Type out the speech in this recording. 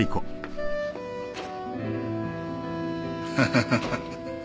ハハハハ。